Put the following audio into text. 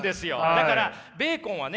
だからベーコンはね